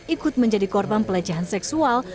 ikut menjadi korban pelecehan seksual